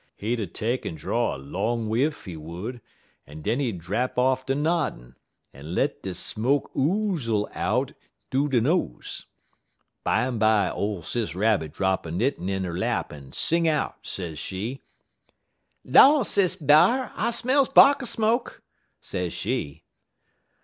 He 'ud take en draw a long whiff, he would, en den he 'ud drap off ter noddin' en let de smoke oozle out thoo he nose. Bimeby ole Sis Rabbit drap 'er knittin' in 'er lap, en sing out, sez she: "'Law, Sis B'ar! I smells 'barker smoke,' sez she.